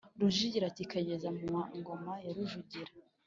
Rujugira kikageza mu wa Ingoma ya Rujugira